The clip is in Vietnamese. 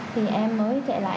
thì em mới chạy lại